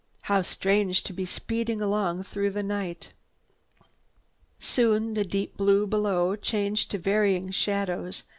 How strange to be speeding along through the night." Soon the deep blue below changed to varying shadows.